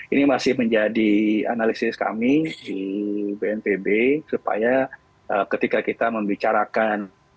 ini masih menjadi analisis kami di bnpb supaya ketika kita membicarakan